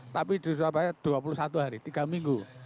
tapi di surabaya dua puluh satu hari tiga minggu